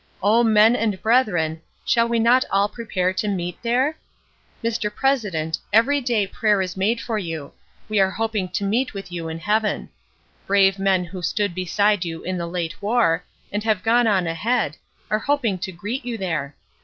O men and brethren, shall we not all prepare to meet there? Mr. President, every day prayer is made for you; we are hoping to meet with you in heaven. Brave men who stood beside you in the late war, and have gone on ahead, are hoping to greet you there.